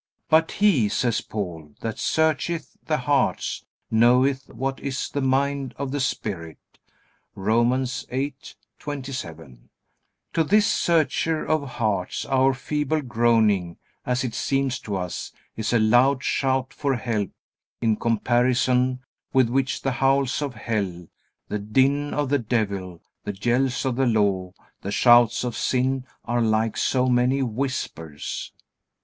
"But he," says Paul, "that searcheth the hearts knoweth what is the mind of the Spirit." (Romans 8:27.) To this Searcher of hearts our feeble groaning, as it seems to us, is a loud shout for help in comparison with which the howls of hell, the din of the devil, the yells of the Law, the shouts of sin are like so many whispers.